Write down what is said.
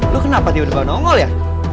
lu kenapa dia udah kemana ongol ya